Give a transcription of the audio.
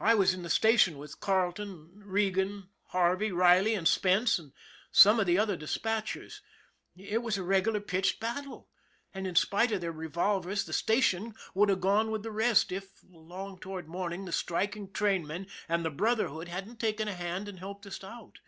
I was in the station with Carleton, Regan, Harvey, Riley and Spence and some of the other dis THE BUILDER 143 patchers. It was a regular pitched battle, and in spite of their revolvers the station would have gone with the rest if, along toward morning, the striking trainmen and the Brotherhood hadn't taken a hand and helped us out.